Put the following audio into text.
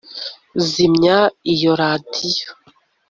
zimya iyo radiyo.